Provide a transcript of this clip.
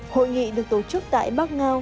hội nghị được tổ chức tại bắc ngao